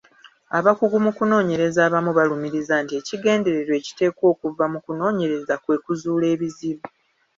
Abakugu mu kunooyereza abamu balumiriza nti ekigendererwa ekiteekwa okuva mu kunoonyereza kwe kuzuula ebizibu.